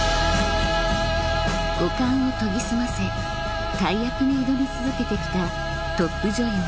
五感を研ぎ澄ませ大役に挑み続けて来たトップ女優